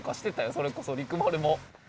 それこそ陸丸も。